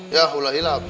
yah ulah hilang